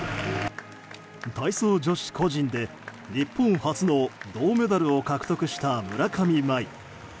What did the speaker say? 体操女子個人で日本初の銅メダルを獲得した村上茉愛。